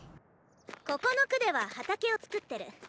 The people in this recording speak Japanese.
ここの区では畑を作ってる！